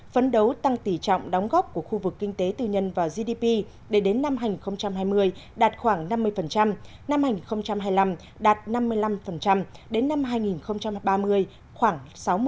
phấn đấu tăng tỷ trọng đóng góp của khu vực kinh tế tư nhân và gdp để đến năm hai nghìn hai mươi đạt khoảng năm mươi năm hai nghìn hai mươi năm đạt năm mươi năm đến năm hai nghìn ba mươi khoảng sáu mươi sáu mươi năm